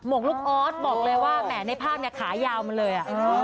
กลูกออสบอกเลยว่าแหมในภาพเนี่ยขายาวมาเลย